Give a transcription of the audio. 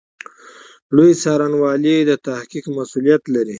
لوی څارنوالي د تحقیق مسوولیت لري